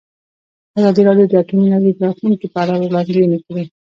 ازادي راډیو د اټومي انرژي د راتلونکې په اړه وړاندوینې کړې.